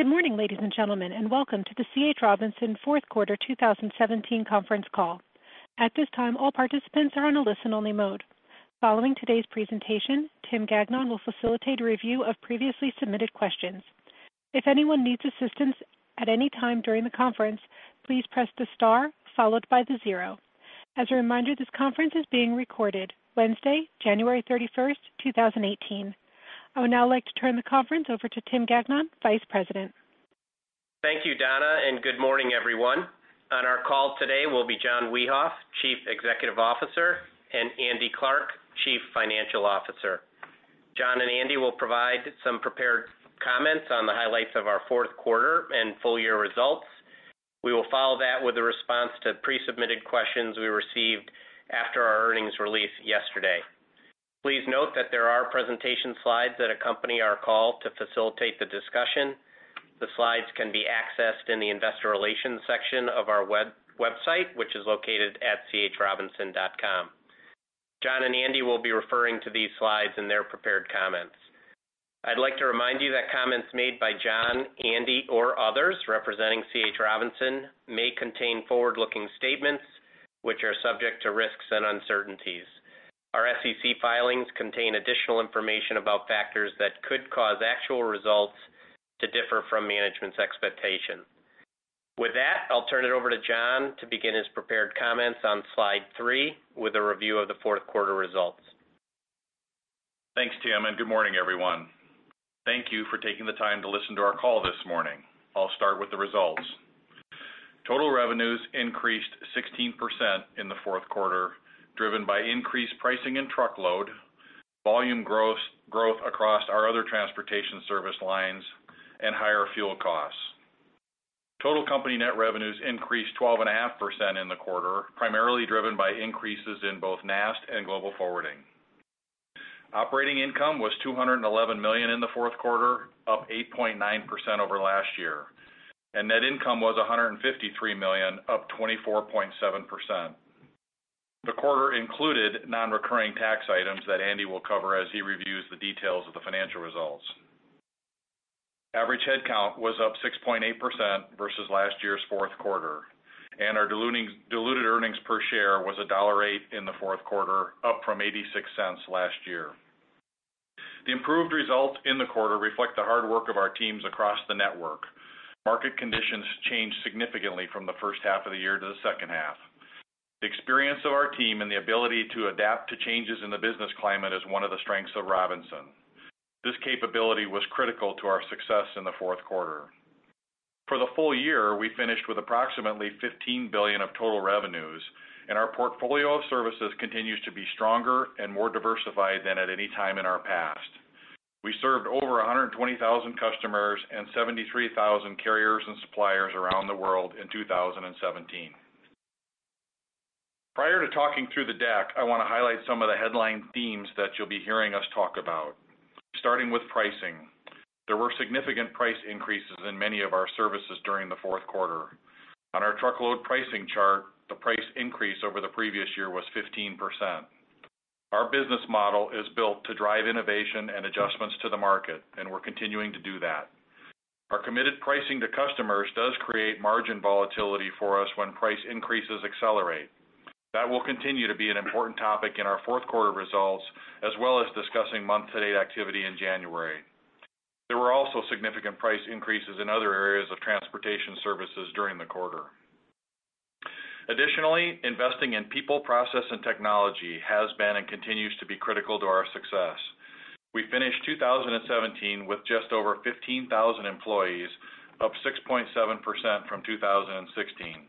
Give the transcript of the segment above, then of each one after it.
Good morning, ladies and gentlemen, and welcome to the C.H. Robinson fourth quarter 2017 conference call. At this time, all participants are on a listen only mode. Following today's presentation, Tim Gagnon will facilitate a review of previously submitted questions. If anyone needs assistance at any time during the conference, please press the star followed by the zero. As a reminder, this conference is being recorded Wednesday, January 31st, 2018. I would now like to turn the conference over to Tim Gagnon, Vice President. Thank you, Donna, and good morning, everyone. On our call today will be John Wiehoff, Chief Executive Officer, and Andy Clarke, Chief Financial Officer. John and Andy will provide some prepared comments on the highlights of our fourth quarter and full year results. We will follow that with a response to pre-submitted questions we received after our earnings release yesterday. Please note that there are presentation slides that accompany our call to facilitate the discussion. The slides can be accessed in the investor relations section of our website, which is located at chrobinson.com. John and Andy will be referring to these slides in their prepared comments. I'd like to remind you that comments made by John, Andy, or others representing C.H. Robinson may contain forward-looking statements which are subject to risks and uncertainties. Our SEC filings contain additional information about factors that could cause actual results to differ from management's expectation. With that, I'll turn it over to John to begin his prepared comments on slide three with a review of the fourth quarter results. Thanks, Tim, and good morning, everyone. Thank you for taking the time to listen to our call this morning. I'll start with the results. Total revenues increased 16% in the fourth quarter, driven by increased pricing in truckload, volume growth across our other transportation service lines, and higher fuel costs. Total company net revenues increased 12.5% in the quarter, primarily driven by increases in both NAST and Global Forwarding. Operating income was $211 million in the fourth quarter, up 8.9% over last year, and net income was $153 million, up 24.7%. The quarter included non-recurring tax items that Andy will cover as he reviews the details of the financial results. Average headcount was up 6.8% versus last year's fourth quarter, and our diluted earnings per share was $1.08 in the fourth quarter, up from $0.86 last year. The improved result in the quarter reflect the hard work of our teams across the network. Market conditions changed significantly from the first half of the year to the second half. The experience of our team and the ability to adapt to changes in the business climate is one of the strengths of Robinson. This capability was critical to our success in the fourth quarter. For the full year, we finished with approximately $15 billion of total revenues, and our portfolio of services continues to be stronger and more diversified than at any time in our past. We served over 120,000 customers and 73,000 carriers and suppliers around the world in 2017. Prior to talking through the deck, I want to highlight some of the headline themes that you'll be hearing us talk about, starting with pricing. There were significant price increases in many of our services during the fourth quarter. On our truckload pricing chart, the price increase over the previous year was 15%. Our business model is built to drive innovation and adjustments to the market, and we're continuing to do that. Our committed pricing to customers does create margin volatility for us when price increases accelerate. That will continue to be an important topic in our fourth quarter results, as well as discussing month to date activity in January. There were also significant price increases in other areas of transportation services during the quarter. Additionally, investing in people, process, and technology has been and continues to be critical to our success. We finished 2017 with just over 15,000 employees, up 6.7% from 2016.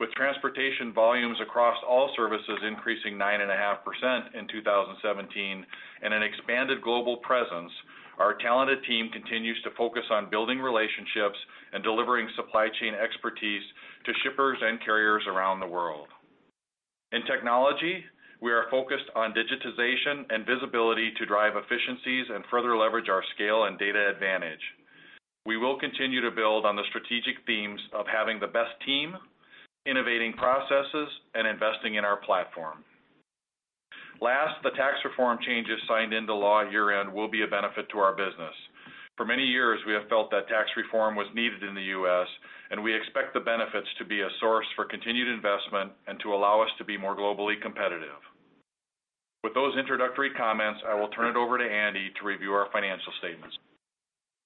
With transportation volumes across all services increasing 9.5% in 2017 and an expanded global presence, our talented team continues to focus on building relationships and delivering supply chain expertise to shippers and carriers around the world. In technology, we are focused on digitization and visibility to drive efficiencies and further leverage our scale and data advantage. We will continue to build on the strategic themes of having the best team, innovating processes, and investing in our platform. Last, the tax reform changes signed into law year-end will be a benefit to our business. For many years, we have felt that tax reform was needed in the U.S., and we expect the benefits to be a source for continued investment and to allow us to be more globally competitive. With those introductory comments, I will turn it over to Andy to review our financial statements.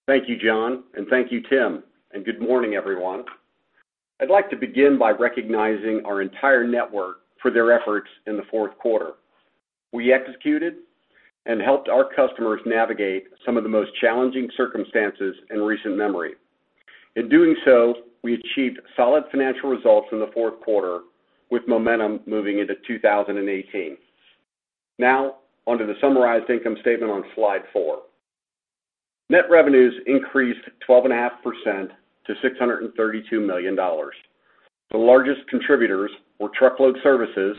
Thank you, John, and thank you, Tim, and good morning, everyone. I'd like to begin by recognizing our entire network for their efforts in the fourth quarter. We executed and helped our customers navigate some of the most challenging circumstances in recent memory. In doing so, we achieved solid financial results in the fourth quarter with momentum moving into 2018. Now, onto the summarized income statement on slide four. Net revenues increased 12.5% to $632 million. The largest contributors were truckload services,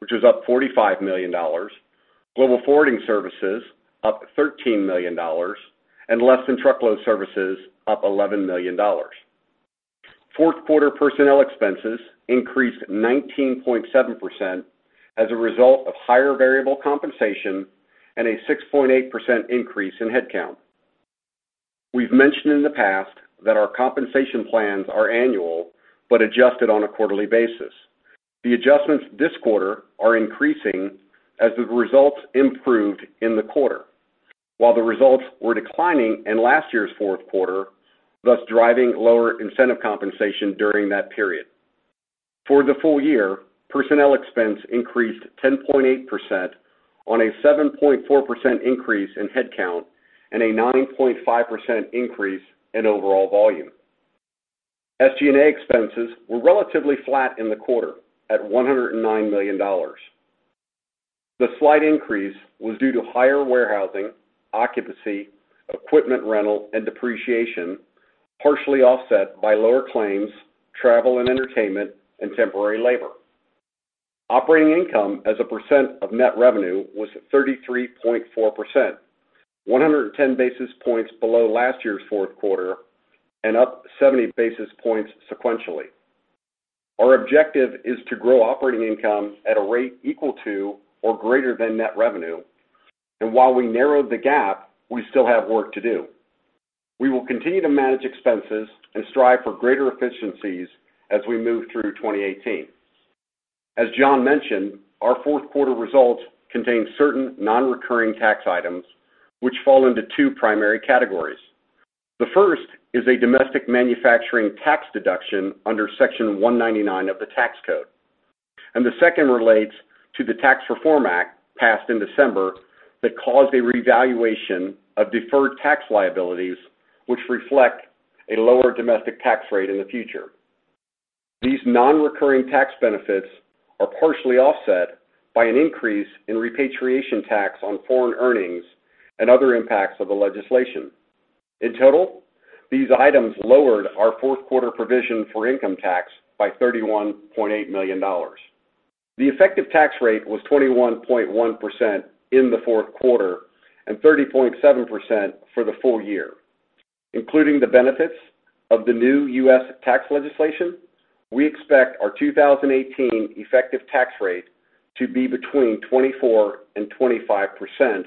which was up $45 million, Global Forwarding services up $13 million, and less than truckload services up $11 million. Fourth quarter personnel expenses increased 19.7% as a result of higher variable compensation and a 6.8% increase in headcount. We've mentioned in the past that our compensation plans are annual, but adjusted on a quarterly basis. The adjustments this quarter are increasing as the results improved in the quarter, while the results were declining in last year's fourth quarter, thus driving lower incentive compensation during that period. For the full year, personnel expense increased 10.8% on a 7.4% increase in headcount and a 9.5% increase in overall volume. SG&A expenses were relatively flat in the quarter at $109 million. The slight increase was due to higher warehousing, occupancy, equipment rental, and depreciation, partially offset by lower claims, travel and entertainment, and temporary labor. Operating income as a percent of net revenue was 33.4%, 110 basis points below last year's fourth quarter and up 70 basis points sequentially. Our objective is to grow operating income at a rate equal to or greater than net revenue. While we narrowed the gap, we still have work to do. We will continue to manage expenses and strive for greater efficiencies as we move through 2018. As John mentioned, our fourth quarter results contain certain non-recurring tax items which fall into two primary categories. The first is a domestic manufacturing tax deduction under Section 199 of the tax code. The second relates to the Tax Reform Act passed in December that caused a revaluation of deferred tax liabilities, which reflect a lower domestic tax rate in the future. These non-recurring tax benefits are partially offset by an increase in repatriation tax on foreign earnings and other impacts of the legislation. In total, these items lowered our fourth quarter provision for income tax by $31.8 million. The effective tax rate was 21.1% in the fourth quarter and 30.7% for the full year. Including the benefits of the new U.S. tax legislation, we expect our 2018 effective tax rate to be between 24% and 25%.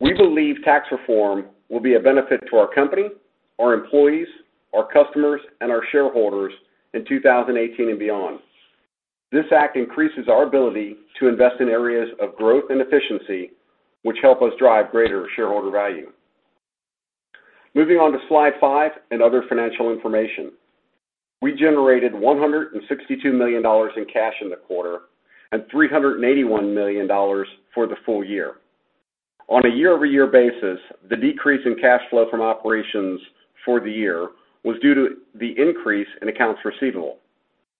We believe tax reform will be a benefit to our company, our employees, our customers, and our shareholders in 2018 and beyond. This act increases our ability to invest in areas of growth and efficiency, which help us drive greater shareholder value. Moving on to slide five and other financial information. We generated $162 million in cash in the quarter and $381 million for the full year. On a year-over-year basis, the decrease in cash flow from operations for the year was due to the increase in accounts receivable.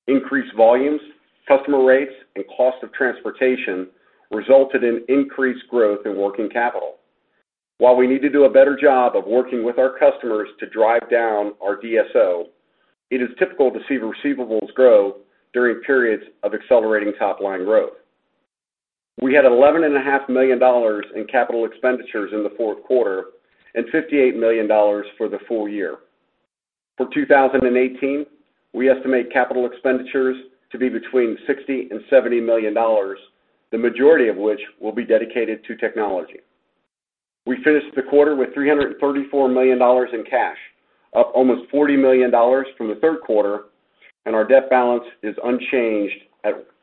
Increased volumes, customer rates, and cost of transportation resulted in increased growth in working capital. While we need to do a better job of working with our customers to drive down our DSO, it is typical to see receivables grow during periods of accelerating top-line growth. We had $11.5 million in capital expenditures in the fourth quarter and $58 million for the full year. For 2018, we estimate capital expenditures to be between $60 million and $70 million, the majority of which will be dedicated to technology. We finished the quarter with $334 million in cash, up almost $40 million from the third quarter, and our debt balance is unchanged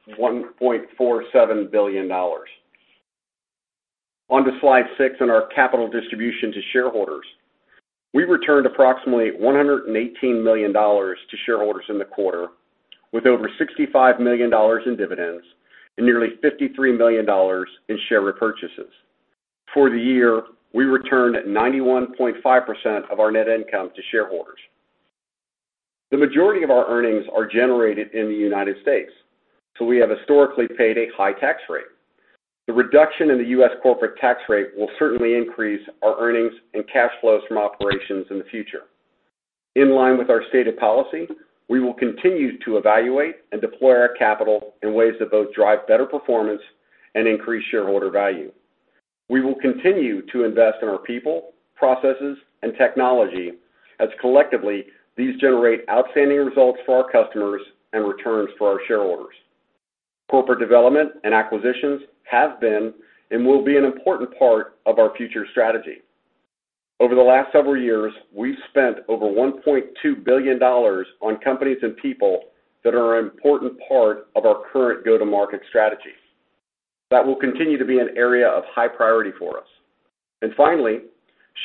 at $1.47 billion. On to slide six and our capital distribution to shareholders. We returned approximately $118 million to shareholders in the quarter, with over $65 million in dividends and nearly $53 million in share repurchases. For the year, we returned 91.5% of our net income to shareholders. The majority of our earnings are generated in the United States, we have historically paid a high tax rate. The reduction in the U.S. corporate tax rate will certainly increase our earnings and cash flows from operations in the future. In line with our stated policy, we will continue to evaluate and deploy our capital in ways that both drive better performance and increase shareholder value. We will continue to invest in our people, processes, and technology as collectively these generate outstanding results for our customers and returns for our shareholders. Corporate development and acquisitions have been and will be an important part of our future strategy. Over the last several years, we've spent over $1.2 billion on companies and people that are an important part of our current go-to-market strategy. That will continue to be an area of high priority for us. Finally,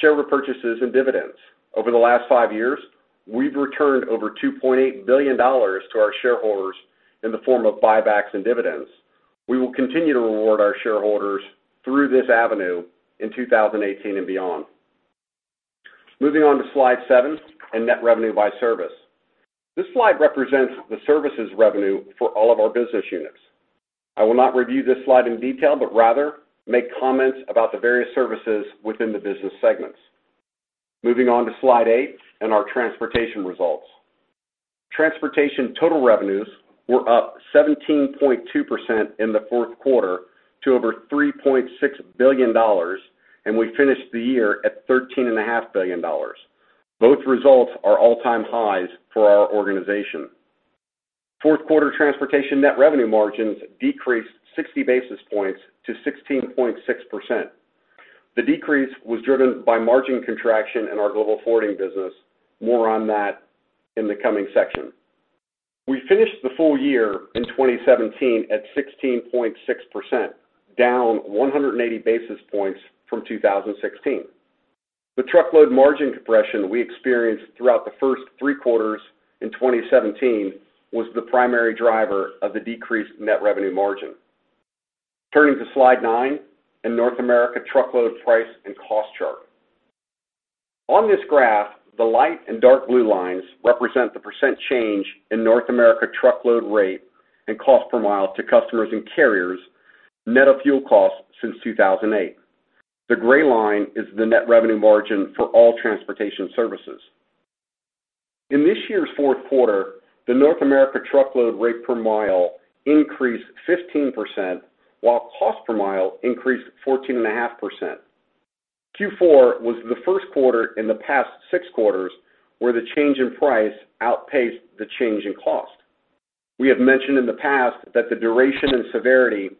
share repurchases and dividends. Over the last five years, we've returned over $2.8 billion to our shareholders in the form of buybacks and dividends. We will continue to reward our shareholders through this avenue in 2018 and beyond. Moving on to slide seven and net revenue by service. This slide represents the services revenue for all of our business units. I will not review this slide in detail, but rather make comments about the various services within the business segments. Moving on to slide eight and our transportation results. Transportation total revenues were up 17.2% in the fourth quarter to over $3.6 billion. We finished the year at $13.5 billion. Both results are all-time highs for our organization. Fourth quarter transportation net revenue margins decreased 60 basis points to 16.6%. The decrease was driven by margin contraction in our Global Forwarding business. More on that in the coming section. We finished the full year in 2017 at 16.6%, down 180 basis points from 2016. The truckload margin compression we experienced throughout the first three quarters in 2017 was the primary driver of the decreased net revenue margin. Turning to slide nine, a North America truckload price and cost chart. On this graph, the light and dark blue lines represent the percent change in North America truckload rate and cost per mile to customers and carriers, net of fuel costs since 2008. The gray line is the net revenue margin for all transportation services. In this year's fourth quarter, the North America truckload rate per mile increased 15%, while cost per mile increased 14.5%. Q4 was the first quarter in the past six quarters where the change in price outpaced the change in cost. We have mentioned in the past that the duration and severity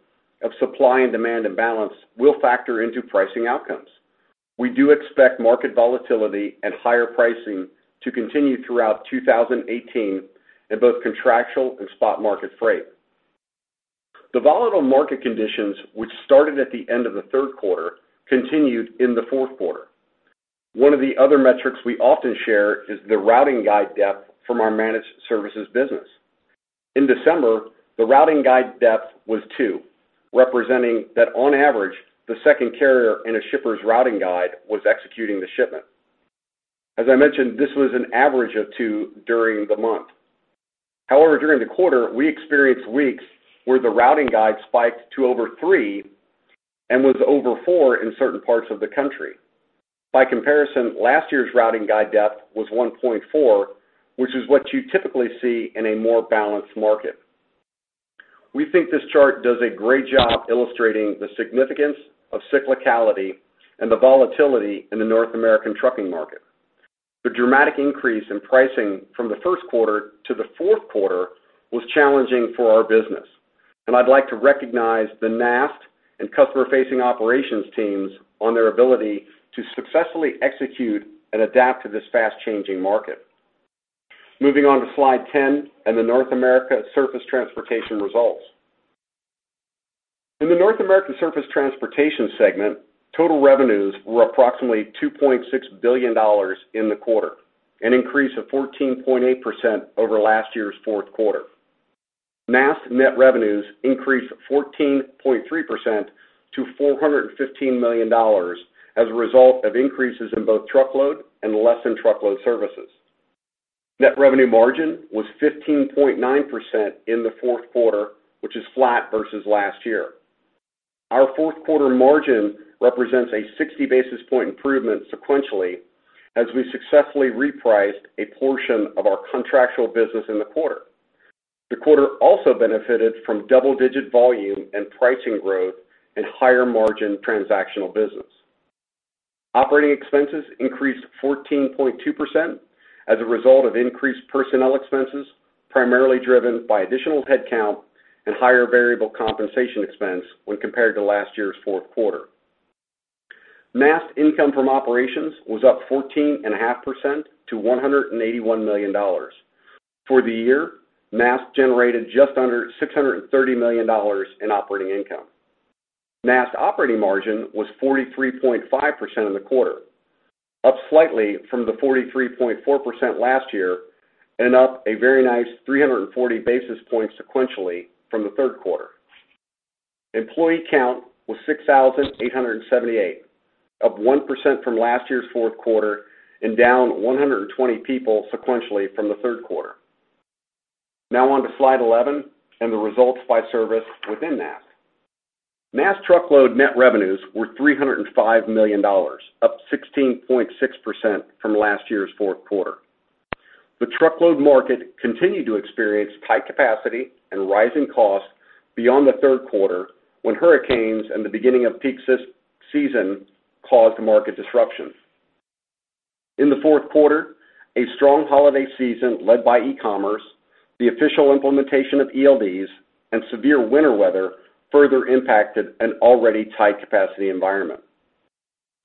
of supply and demand imbalance will factor into pricing outcomes. We do expect market volatility and higher pricing to continue throughout 2018 in both contractual and spot market freight. The volatile market conditions, which started at the end of the third quarter, continued in the fourth quarter. One of the other metrics we often share is the routing guide depth from our Managed Services business. In December, the routing guide depth was two, representing that on average, the second carrier in a shipper's routing guide was executing the shipment. As I mentioned, this was an average of two during the month. However, during the quarter, we experienced weeks where the routing guide spiked to over three and was over four in certain parts of the country. By comparison, last year's routing guide depth was 1.4, which is what you typically see in a more balanced market. We think this chart does a great job illustrating the significance of cyclicality and the volatility in the North American trucking market. The dramatic increase in pricing from the first quarter to the fourth quarter was challenging for our business. I'd like to recognize the NAST and customer-facing operations teams on their ability to successfully execute and adapt to this fast-changing market. Moving on to slide 10 and the North America Surface Transportation results. In the North America Surface Transportation segment, total revenues were approximately $2.6 billion in the quarter, an increase of 14.8% over last year's fourth quarter. NAST net revenues increased 14.3% to $415 million as a result of increases in both truckload and less-than-truckload services. Net revenue margin was 15.9% in the fourth quarter, which is flat versus last year. Our fourth quarter margin represents a 60-basis-point improvement sequentially as we successfully repriced a portion of our contractual business in the quarter. The quarter also benefited from double-digit volume and pricing growth and higher-margin transactional business. Operating expenses increased 14.2% as a result of increased personnel expenses, primarily driven by additional headcount and higher variable compensation expense when compared to last year's fourth quarter. NAST income from operations was up 14.5% to $181 million. For the year, NAST generated just under $630 million in operating income. NAST operating margin was 43.5% in the quarter, up slightly from the 43.4% last year, and up a very nice 340 basis points sequentially from the third quarter. Employee count was 6,878, up 1% from last year's fourth quarter and down 120 people sequentially from the third quarter. Now on to slide 11 and the results by service within NAST. NAST truckload net revenues were $305 million, up 16.6% from last year's fourth quarter. The truckload market continued to experience tight capacity and rising costs beyond the third quarter, when hurricanes and the beginning of peak season caused market disruptions. In the fourth quarter, a strong holiday season led by e-commerce, the official implementation of ELDs, and severe winter weather further impacted an already tight capacity environment.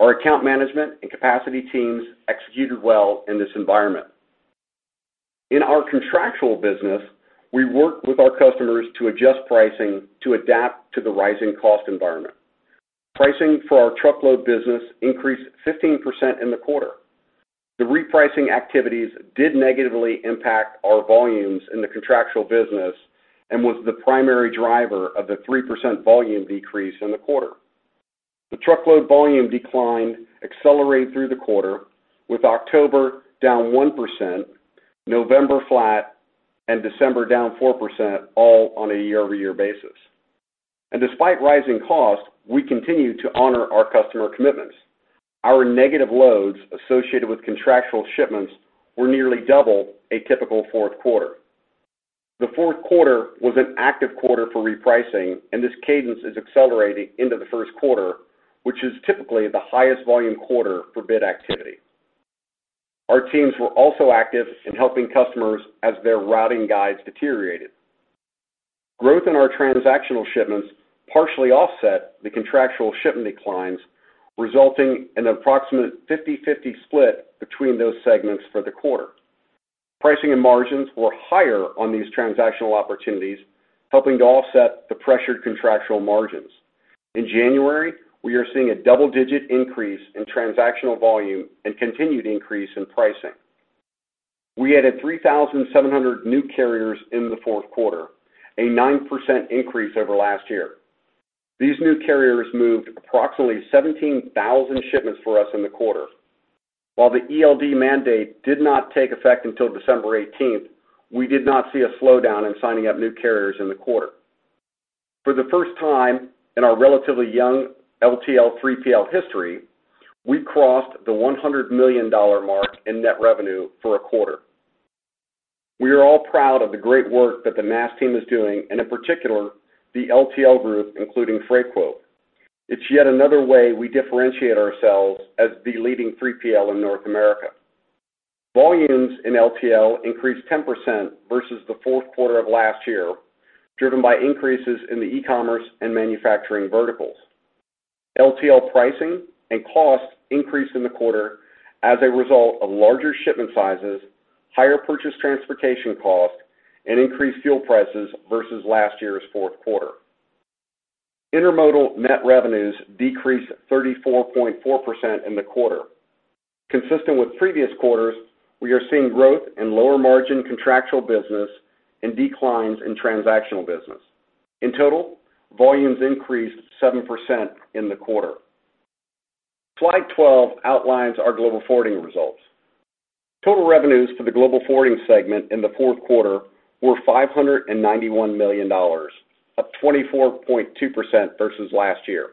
Our account management and capacity teams executed well in this environment. In our contractual business, we worked with our customers to adjust pricing to adapt to the rising cost environment. Pricing for our truckload business increased 15% in the quarter. The repricing activities did negatively impact our volumes in the contractual business and was the primary driver of the 3% volume decrease in the quarter. The truckload volume decline accelerated through the quarter, with October down 1%, November flat, and December down 4%, all on a year-over-year basis. Despite rising costs, we continued to honor our customer commitments. Our negative loads associated with contractual shipments were nearly double a typical fourth quarter. The fourth quarter was an active quarter for repricing. This cadence is accelerating into the first quarter, which is typically the highest volume quarter for bid activity. Our teams were also active in helping customers as their routing guides deteriorated. Growth in our transactional shipments partially offset the contractual shipment declines, resulting in an approximate 50/50 split between those segments for the quarter. Pricing and margins were higher on these transactional opportunities, helping to offset the pressured contractual margins. In January, we are seeing a double-digit increase in transactional volume and continued increase in pricing. We added 3,700 new carriers in the fourth quarter, a 9% increase over last year. These new carriers moved approximately 17,000 shipments for us in the quarter. While the ELD mandate did not take effect until December 18th, we did not see a slowdown in signing up new carriers in the quarter. For the first time in our relatively young LTL 3PL history, we crossed the $100 million mark in net revenue for a quarter. We are all proud of the great work that the NAST team is doing, and in particular, the LTL group, including Freightquote. It's yet another way we differentiate ourselves as the leading 3PL in North America. Volumes in LTL increased 10% versus the fourth quarter of last year, driven by increases in the e-commerce and manufacturing verticals. LTL pricing and cost increased in the quarter as a result of larger shipment sizes, higher purchase transportation costs, and increased fuel prices versus last year's fourth quarter. Intermodal net revenues decreased 34.4% in the quarter. Consistent with previous quarters, we are seeing growth in lower margin contractual business and declines in transactional business. In total, volumes increased 7% in the quarter. Slide 12 outlines our Global Forwarding results. Total revenues for the Global Forwarding segment in the fourth quarter were $591 million, up 24.2% versus last year.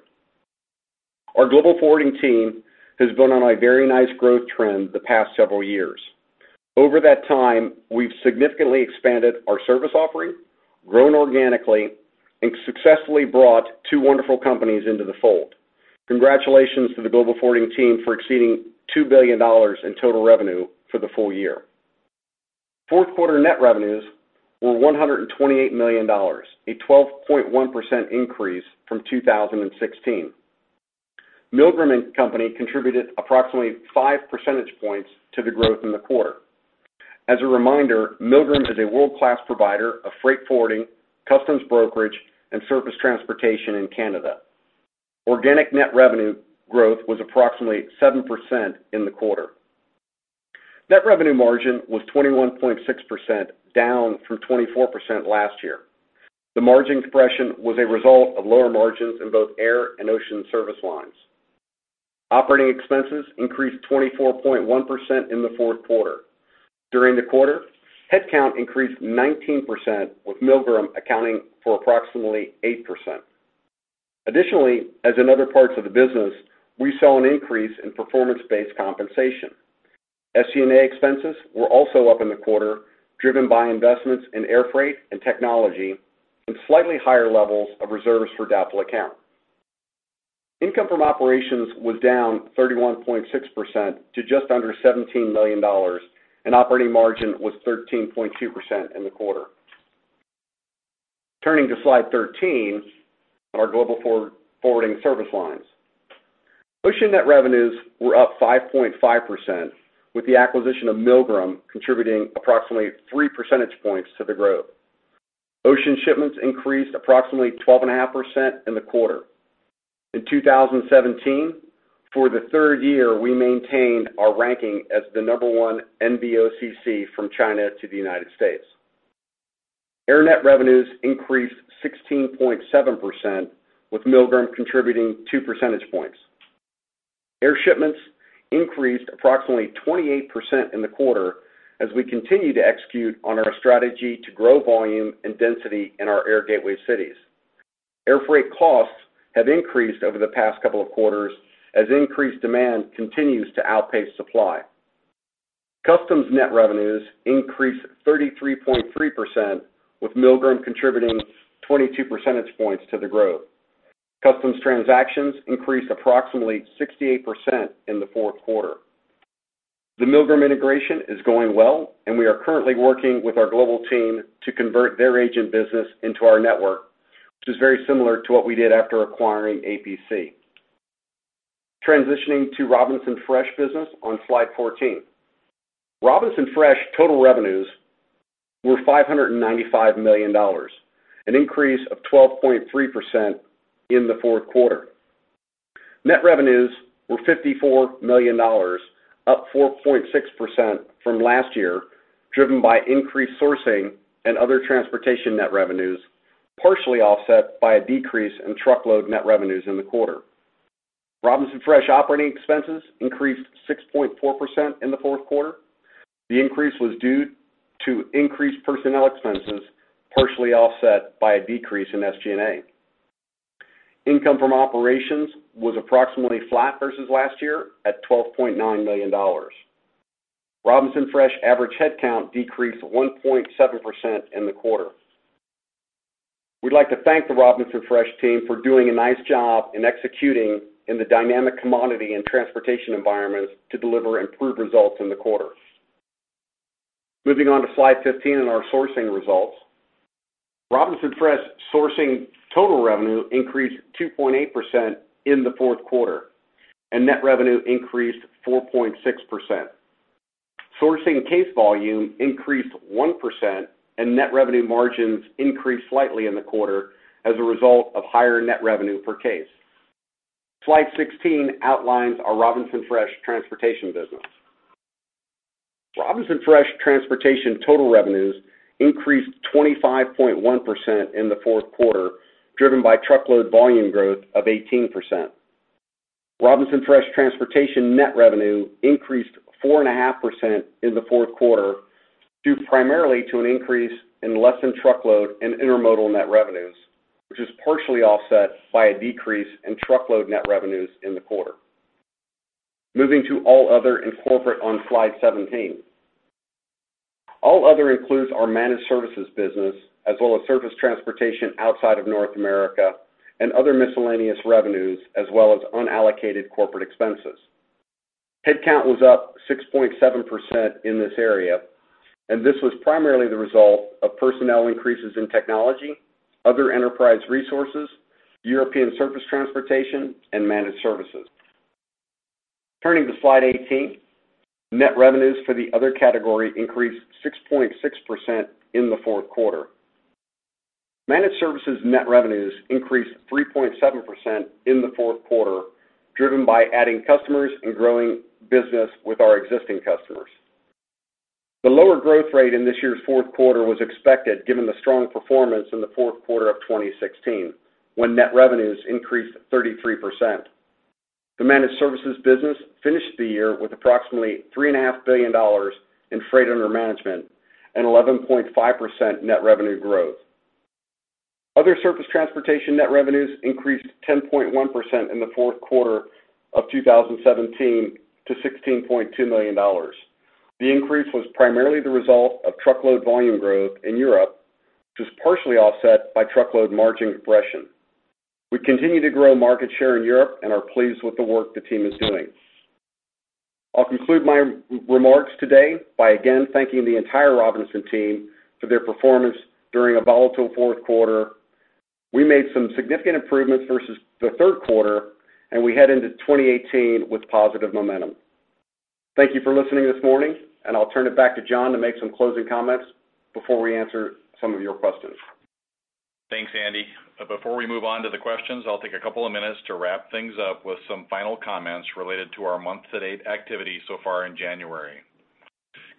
Our Global Forwarding team has been on a very nice growth trend the past several years. Over that time, we've significantly expanded our service offering, grown organically, and successfully brought two wonderful companies into the fold. Congratulations to the Global Forwarding team for exceeding $2 billion in total revenue for the full year. Fourth quarter net revenues were $128 million, a 12.1% increase from 2016. Milgram & Company contributed approximately five percentage points to the growth in the quarter. As a reminder, Milgram is a world-class provider of freight forwarding, customs brokerage, and surface transportation in Canada. Organic net revenue growth was approximately 7% in the quarter. Net revenue margin was 21.6%, down from 24% last year. The margin compression was a result of lower margins in both air and ocean service lines. Operating expenses increased 24.1% in the fourth quarter. During the quarter, headcount increased 19%, with Milgram accounting for approximately 8%. Additionally, as in other parts of the business, we saw an increase in performance-based compensation. SG&A expenses were also up in the quarter, driven by investments in air freight and technology, and slightly higher levels of reserves for doubtful accounts. Income from operations was down 31.6% to just under $17 million, and operating margin was 13.2% in the quarter. Turning to slide 13, our Global Forwarding service lines. Ocean net revenues were up 5.5%, with the acquisition of Milgram contributing approximately three percentage points to the growth. Ocean shipments increased approximately 12.5% in the quarter. In 2017, for the third year, we maintained our ranking as the number one NVOCC from China to the U.S. Air net revenues increased 16.7%, with Milgram contributing two percentage points. Air shipments increased approximately 28% in the quarter as we continue to execute on our strategy to grow volume and density in our air gateway cities. Air freight costs have increased over the past couple of quarters as increased demand continues to outpace supply. Customs net revenues increased 33.3%, with Milgram contributing 22 percentage points to the growth. Customs transactions increased approximately 68% in the fourth quarter. The Milgram integration is going well, and we are currently working with our global team to convert their agent business into our network, which is very similar to what we did after acquiring APC Logistics. Transitioning to Robinson Fresh business on slide 14. Robinson Fresh total revenues were $595 million, an increase of 12.3% in the fourth quarter. Net revenues were $54 million, up 4.6% from last year, driven by increased sourcing and other transportation net revenues, partially offset by a decrease in truckload net revenues in the quarter. Robinson Fresh operating expenses increased 6.4% in the fourth quarter. The increase was due to increased personnel expenses, partially offset by a decrease in SG&A. Income from operations was approximately flat versus last year at $12.9 million. Robinson Fresh average headcount decreased 1.7% in the quarter. We'd like to thank the Robinson Fresh team for doing a nice job in executing in the dynamic commodity and transportation environments to deliver improved results in the quarter. Moving on to slide 15 and our sourcing results. Robinson Fresh sourcing total revenue increased 2.8% in the fourth quarter, and net revenue increased 4.6%. Sourcing case volume increased 1%, and net revenue margins increased slightly in the quarter as a result of higher net revenue per case. Slide 16 outlines our Robinson Fresh transportation business. Robinson Fresh transportation total revenues increased 25.1% in the fourth quarter, driven by truckload volume growth of 18%. Robinson Fresh transportation net revenue increased 4.5% in the fourth quarter, due primarily to an increase in less-than-truckload and intermodal net revenues, which is partially offset by a decrease in truckload net revenues in the quarter. Moving to all other and corporate on slide 17. All other includes our Managed Services business as well as surface transportation outside of North America and other miscellaneous revenues, as well as unallocated corporate expenses. Headcount was up 6.7% in this area, and this was primarily the result of personnel increases in technology, other enterprise resources, European Surface Transportation, and Managed Services. Turning to slide 18, net revenues for the other category increased 6.6% in the fourth quarter. Managed Services net revenues increased 3.7% in the fourth quarter, driven by adding customers and growing business with our existing customers. The lower growth rate in this year's fourth quarter was expected given the strong performance in the fourth quarter of 2016, when net revenues increased 33%. The Managed Services business finished the year with approximately $3.5 billion in freight under management and 11.5% net revenue growth. Other surface transportation net revenues increased 10.1% in the fourth quarter of 2017 to $16.2 million. The increase was primarily the result of truckload volume growth in Europe, which was partially offset by truckload margin compression. We continue to grow market share in Europe and are pleased with the work the team is doing. I'll conclude my remarks today by again thanking the entire Robinson team for their performance during a volatile fourth quarter. We made some significant improvements versus the third quarter, we head into 2018 with positive momentum. Thank you for listening this morning, I'll turn it back to John to make some closing comments before we answer some of your questions. Thanks, Andy. Before we move on to the questions, I'll take a couple of minutes to wrap things up with some final comments related to our month-to-date activity so far in January.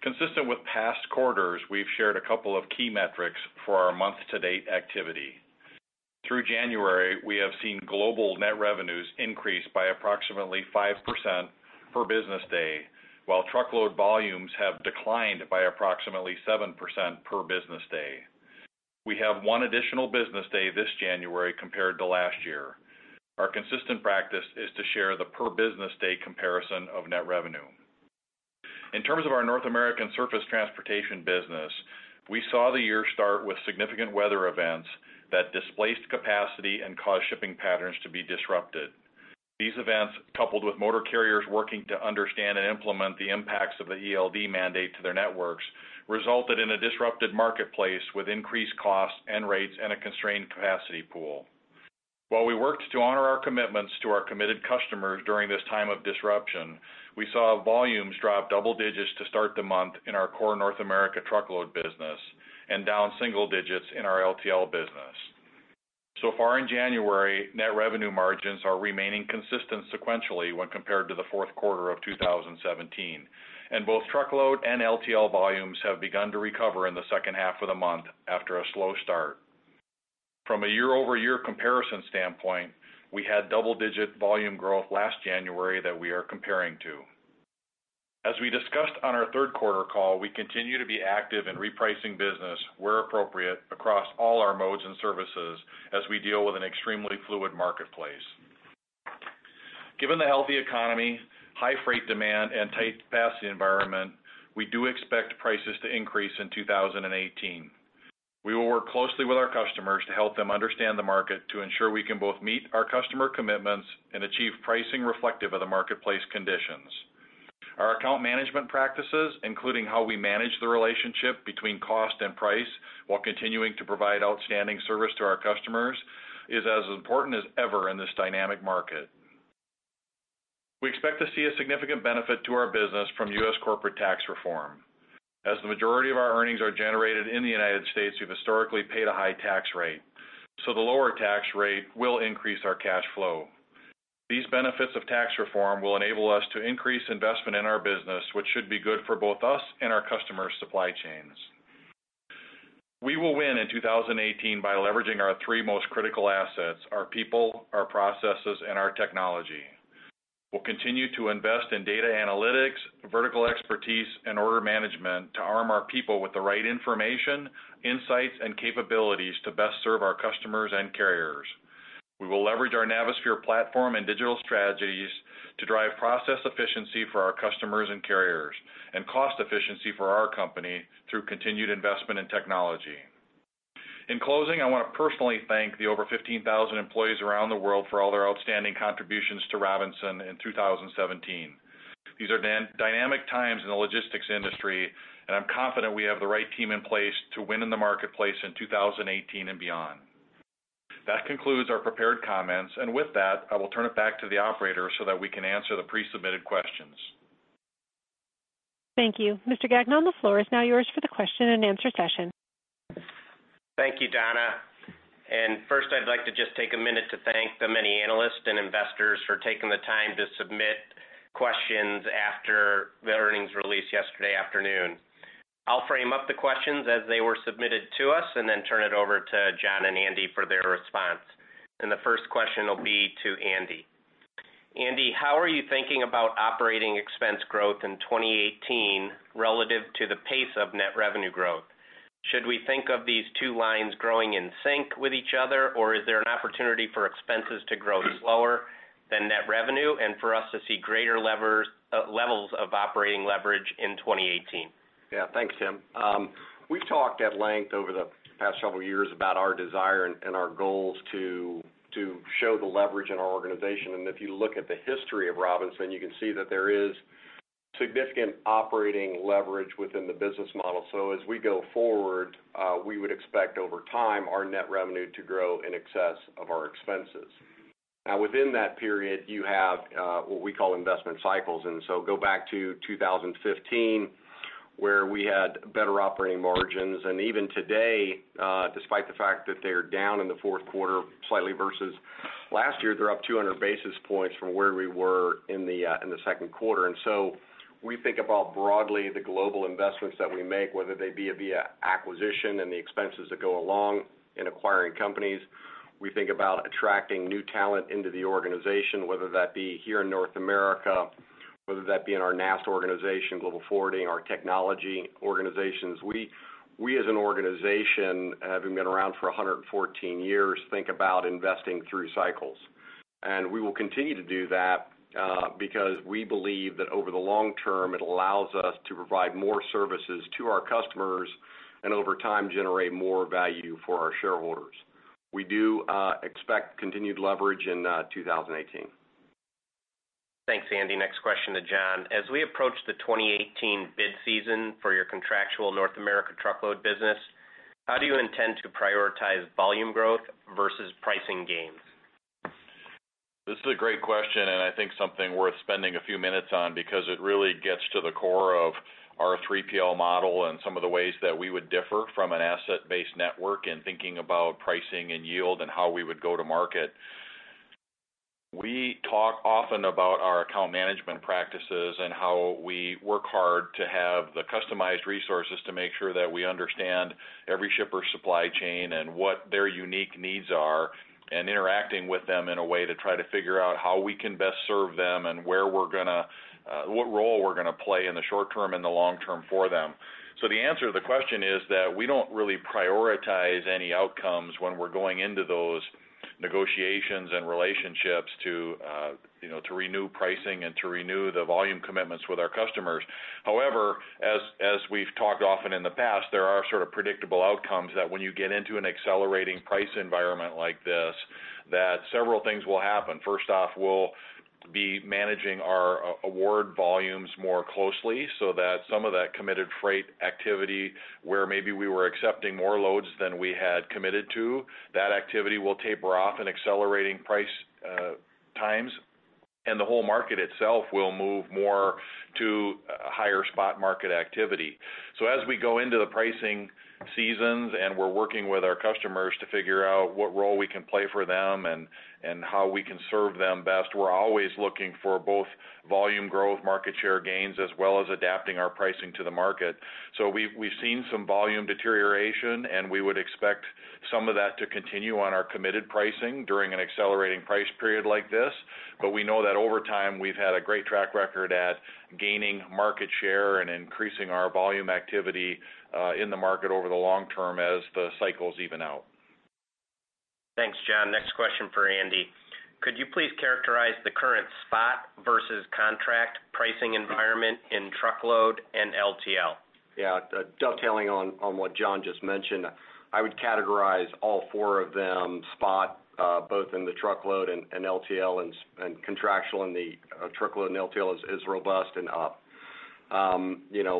Consistent with past quarters, we've shared a couple of key metrics for our month-to-date activity. Through January, we have seen global net revenues increase by approximately 5% per business day, while truckload volumes have declined by approximately 7% per business day. We have one additional business day this January compared to last year. Our consistent practice is to share the per business day comparison of net revenue. In terms of our North American Surface Transportation business, we saw the year start with significant weather events that displaced capacity and caused shipping patterns to be disrupted. These events, coupled with motor carriers working to understand and implement the impacts of the ELD mandate to their networks, resulted in a disrupted marketplace with increased costs and rates and a constrained capacity pool. While we worked to honor our commitments to our committed customers during this time of disruption, we saw volumes drop double digits to start the month in our core North America truckload business and down single digits in our LTL business. Far in January, net revenue margins are remaining consistent sequentially when compared to the fourth quarter of 2017, and both truckload and LTL volumes have begun to recover in the second half of the month after a slow start. From a year-over-year comparison standpoint, we had double-digit volume growth last January that we are comparing to. We discussed on our third quarter call, we continue to be active in repricing business where appropriate across all our modes and services as we deal with an extremely fluid marketplace. Given the healthy economy, high freight demand, and tight capacity environment, we do expect prices to increase in 2018. We will work closely with our customers to help them understand the market to ensure we can both meet our customer commitments and achieve pricing reflective of the marketplace conditions. Our account management practices, including how we manage the relationship between cost and price while continuing to provide outstanding service to our customers, is as important as ever in this dynamic market. We expect to see a significant benefit to our business from U.S. corporate Tax Reform. The majority of our earnings are generated in the United States, we've historically paid a high tax rate, the lower tax rate will increase our cash flow. These benefits of Tax Reform will enable us to increase investment in our business, which should be good for both us and our customers' supply chains. We will win in 2018 by leveraging our three most critical assets, our people, our processes, and our technology. We'll continue to invest in data analytics, vertical expertise, and order management to arm our people with the right information, insights, and capabilities to best serve our customers and carriers. We will leverage our Navisphere platform and digital strategies to drive process efficiency for our customers and carriers, and cost efficiency for our company through continued investment in technology. In closing, I want to personally thank the over 15,000 employees around the world for all their outstanding contributions to Robinson in 2017. These are dynamic times in the logistics industry, and I'm confident we have the right team in place to win in the marketplace in 2018 and beyond. That concludes our prepared comments. With that, I will turn it back to the operator so that we can answer the pre-submitted questions. Thank you. Mr. Gagnon, the floor is now yours for the question and answer session. Thank you, Donna. First, I'd like to just take a minute to thank the many analysts and investors for taking the time to submit questions after the earnings release yesterday afternoon. I'll frame up the questions as they were submitted to us and then turn it over to John and Andy for their response. The first question will be to Andy. Andy, how are you thinking about operating expense growth in 2018 relative to the pace of net revenue growth? Should we think of these two lines growing in sync with each other, or is there an opportunity for expenses to grow slower than net revenue and for us to see greater levels of operating leverage in 2018? Yeah. Thanks, Tim. We've talked at length over the past several years about our desire and our goals to show the leverage in our organization. If you look at the history of Robinson, you can see that there is significant operating leverage within the business model. As we go forward, we would expect over time our net revenue to grow in excess of our expenses. Now within that period, you have what we call investment cycles. So go back to 2015, where we had better operating margins. Even today, despite the fact that they're down in the fourth quarter slightly versus last year, they're up 200 basis points from where we were in the second quarter. So we think about broadly the global investments that we make, whether they be via acquisition and the expenses that go along in acquiring companies. We think about attracting new talent into the organization, whether that be here in North America, whether that be in our NAST organization, Global Forwarding, our technology organizations. We as an organization, having been around for 114 years, think about investing through cycles. We will continue to do that, because we believe that over the long term, it allows us to provide more services to our customers and over time generate more value for our shareholders. We do expect continued leverage in 2018. Thanks, Andy. Next question to John. As we approach the 2018 bid season for your contractual North America truckload business, how do you intend to prioritize volume growth versus pricing gains? This is a great question, and I think something worth spending a few minutes on because it really gets to the core of our 3PL model and some of the ways that we would differ from an asset-based network in thinking about pricing and yield and how we would go to market. We talk often about our account management practices and how we work hard to have the customized resources to make sure that we understand every shipper's supply chain and what their unique needs are, and interacting with them in a way to try to figure out how we can best serve them and what role we're going to play in the short term and the long term for them. The answer to the question is that we don't really prioritize any outcomes when we're going into those negotiations and relationships to renew pricing and to renew the volume commitments with our customers. However, as we've talked often in the past, there are sort of predictable outcomes that when you get into an accelerating price environment like this, that several things will happen. First off, we'll be managing our award volumes more closely so that some of that committed freight activity where maybe we were accepting more loads than we had committed to, that activity will taper off in accelerating price times, and the whole market itself will move more to higher spot market activity. As we go into the pricing seasons and we're working with our customers to figure out what role we can play for them and how we can serve them best, we're always looking for both volume growth, market share gains, as well as adapting our pricing to the market. We've seen some volume deterioration, and we would expect some of that to continue on our committed pricing during an accelerating price period like this. We know that over time, we've had a great track record at gaining market share and increasing our volume activity in the market over the long term as the cycles even out. Thanks, John. Next question for Andy. Could you please characterize the current spot versus contract pricing environment in truckload and LTL? Dovetailing on what John just mentioned, I would categorize all four of them spot, both in the truckload and LTL, and contractual in the truckload and LTL is robust and up.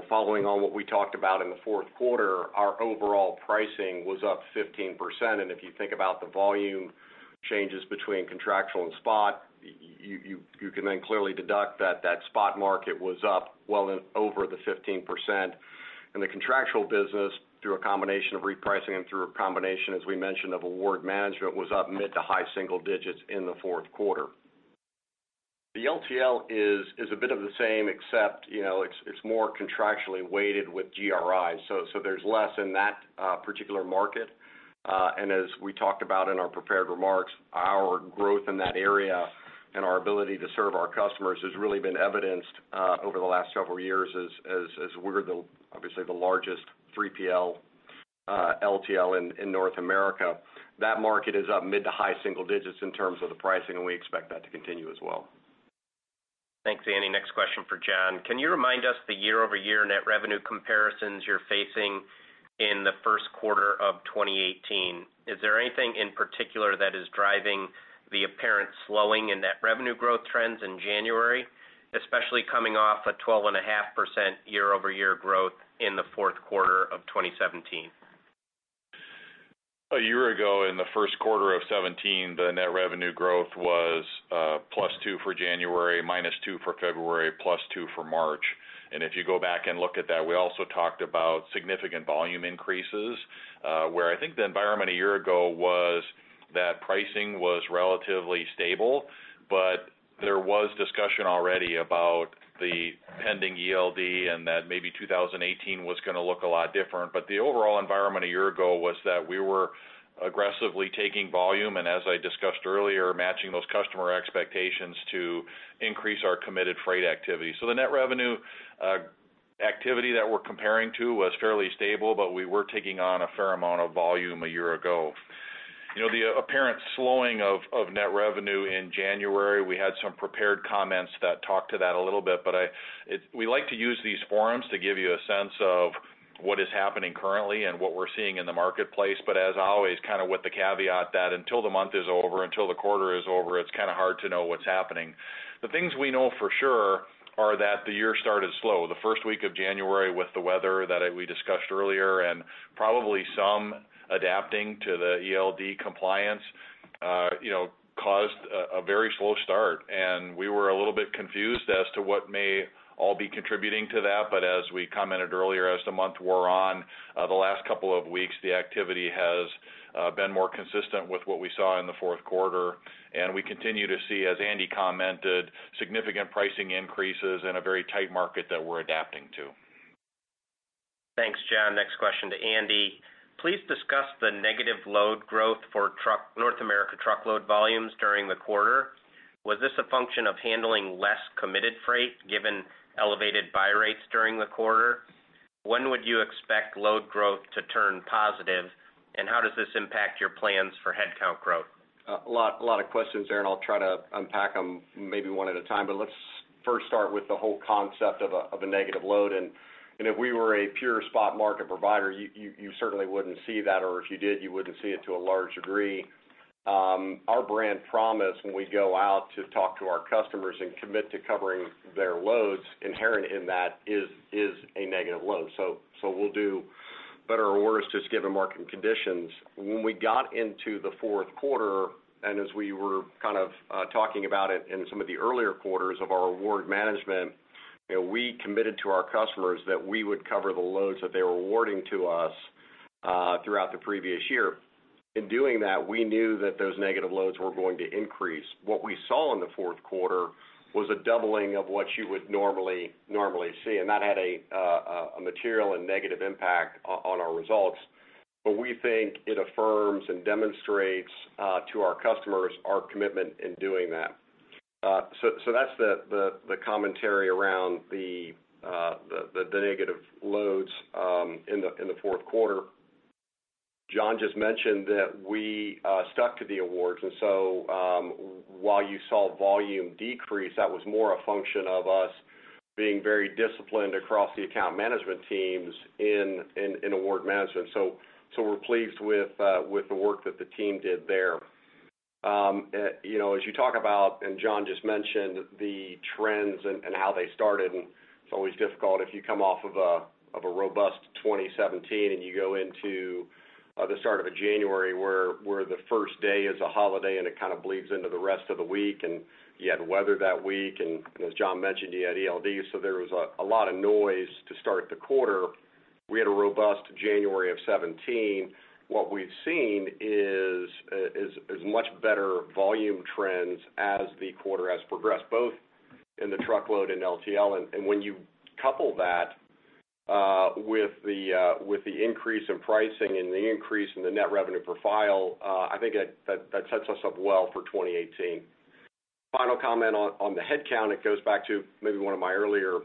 Following on what we talked about in the fourth quarter, our overall pricing was up 15%. If you think about the volume changes between contractual and spot, you can then clearly deduct that that spot market was up well over the 15%. In the contractual business, through a combination of repricing and through a combination, as we mentioned, of award management, was up mid to high single digits in the fourth quarter. The LTL is a bit of the same except it's more contractually weighted with GRI, there's less in that particular market. As we talked about in our prepared remarks, our growth in that area and our ability to serve our customers has really been evidenced over the last several years as we're obviously the largest 3PL LTL in North America. That market is up mid to high single digits in terms of the pricing, we expect that to continue as well. Thanks, Andy. Next question for John. Can you remind us the year-over-year net revenue comparisons you're facing in the first quarter of 2018? Is there anything in particular that is driving the apparent slowing in net revenue growth trends in January, especially coming off a 12.5% year-over-year growth in the fourth quarter of 2017? A year ago, in the first quarter of 2017, the net revenue growth was +2 for January, -2 for February, +2 for March. If you go back and look at that, we also talked about significant volume increases, where I think the environment a year ago was that pricing was relatively stable, there was discussion already about the pending ELD, and that maybe 2018 was going to look a lot different. The overall environment a year ago was that we were aggressively taking volume, and as I discussed earlier, matching those customer expectations to increase our committed freight activity. The net revenue activity that we're comparing to was fairly stable, but we were taking on a fair amount of volume a year ago. The apparent slowing of net revenue in January, we had some prepared comments that talked to that a little bit. We like to use these forums to give you a sense of what is happening currently and what we're seeing in the marketplace. As always, with the caveat that until the month is over, until the quarter is over, it's kind of hard to know what's happening. The things we know for sure are that the year started slow. The first week of January with the weather that we discussed earlier, and probably some adapting to the ELD compliance, caused a very slow start. We were a little bit confused as to what may all be contributing to that. As we commented earlier, as the month wore on, the last couple of weeks, the activity has been more consistent with what we saw in the fourth quarter. We continue to see, as Andy commented, significant pricing increases in a very tight market that we're adapting to. Thanks, John. Next question to Andy. Please discuss the negative load growth for North America truckload volumes during the quarter. Was this a function of handling less committed freight, given elevated buy rates during the quarter? When would you expect load growth to turn positive? How does this impact your plans for headcount growth? A lot of questions there. I'll try to unpack them maybe one at a time. Let's first start with the whole concept of a negative load. If we were a pure spot market provider, you certainly wouldn't see that, or if you did, you wouldn't see it to a large degree. Our brand promise when we go out to talk to our customers and commit to covering their loads, inherent in that is a negative load. We'll do better or worse just given market conditions. When we got into the fourth quarter, as we were kind of talking about it in some of the earlier quarters of our award management, we committed to our customers that we would cover the loads that they were awarding to us throughout the previous year. In doing that, we knew that those negative loads were going to increase. What we saw in the fourth quarter was a doubling of what you would normally see. That had a material and negative impact on our results. We think it affirms and demonstrates to our customers our commitment in doing that. That's the commentary around the negative loads in the fourth quarter. John just mentioned that we stuck to the awards, while you saw volume decrease, that was more a function of us being very disciplined across the account management teams in award management. We're pleased with the work that the team did there. As you talk about, John just mentioned, the trends and how they started. It's always difficult if you come off of a robust 2017 and you go into the start of a January where the first day is a holiday. It kind of bleeds into the rest of the week. You had weather that week. As John mentioned, you had ELD. There was a lot of noise to start the quarter. We had a robust January of 2017. What we've seen is much better volume trends as the quarter has progressed, both in the truckload and LTL. When you couple that with the increase in pricing and the increase in the net revenue per file, I think that sets us up well for 2018. Final comment on the headcount. It goes back to maybe one of my earlier